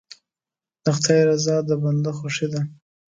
د خدای رضا د بنده خوښي ده.